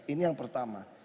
ini yang pertama